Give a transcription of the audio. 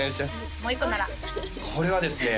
もう一個ならこれはですね